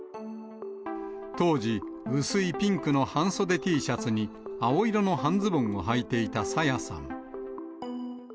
当時、薄いピンクの半袖Ｔシャツに、青色の半ズボンをはいていた朝芽さん。